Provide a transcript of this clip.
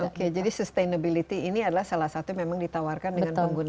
oke jadi sustainability ini adalah salah satu yang memang ditawarkan dengan penggunaan